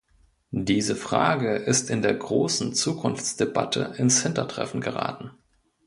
Diese Frage ist in der großen Zukunftsdebatte ins Hintertreffen geraten.